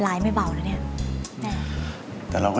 สามารถรับชมได้ทุกวัย